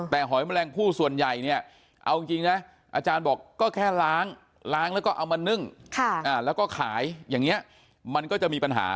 แต่หอยแมลงผู้ส่วนใหญ่เนี่ยเอาจริงนะอาจารย์บอกก็แค่ล้างล้างแล้วก็เอามานึ่งแล้วก็ขายอย่างนี้มันก็จะมีปัญหา